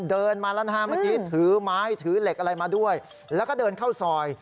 เดินมาแล้วนะฮะเมื่อกี้ถือไม้ถือเหล็กอะไรมาด้วยแล้วก็เดินเข้าซอย